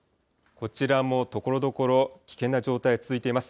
こちらもところどころ、危険な状態、続いています。